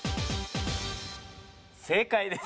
正解です。